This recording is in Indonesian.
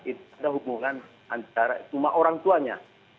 itu ada hubungan antara cuma orang tuanya